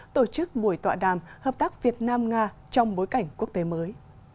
tổ chức buổi tọa đàm hợp tác việt nam nga trong bối cảnh quốc tế mới